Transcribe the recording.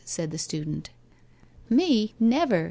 ' said the student. 'Me! Never!